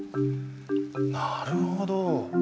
なるほど。